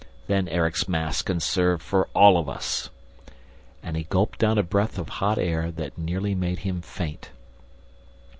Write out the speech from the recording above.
Then Erik's mass can serve for all of us!" And he gulped down a breath of hot air that nearly made him faint.